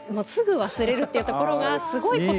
すぐ忘れるっていうところがいい。